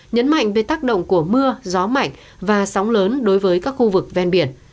nhấn mạnh về tác động của mưa gió mạnh và sóng lớn đối với các khu vực ven biển